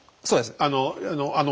そうです。